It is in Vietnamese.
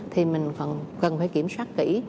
thì mình cần phải kiểm soát kỹ